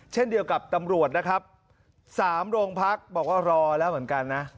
เช่นเดียวกับตำรวจนะครับ๓โรงพักบอกว่ารอแล้วเหมือนกันนะ